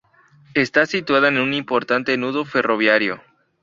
Está situada en un importante nudo ferroviario.